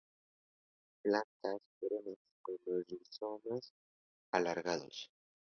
Plantas perennes con los rizomas alargados.